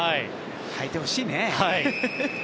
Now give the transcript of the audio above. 履いてほしいね。